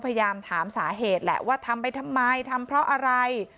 พยายามถามสาเหตุแหละว่าทำไปทำไมทำเพราะอะไร